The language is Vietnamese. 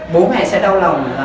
bố mẹ sẽ đau lòng